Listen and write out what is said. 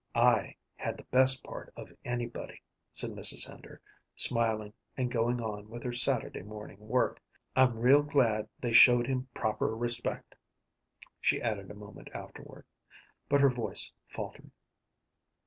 "I had the best part of anybody," said Mrs. Hender, smiling and going on with her Saturday morning work. "I'm real glad they showed him proper respect," she added a moment afterward, but her voice faltered.